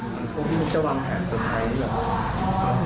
พวกนี้มันจะวางแผนสไพรส์หรือเปล่า